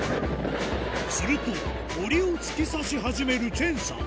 するとモリを突き刺し始めるチェンさん